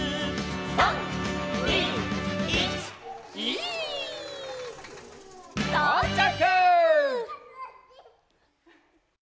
「３・２・１ギィ」とうちゃく！